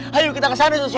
hayuk kita kesana susuin